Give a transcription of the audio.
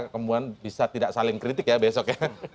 kemudian bisa tidak saling kritik ya besok ya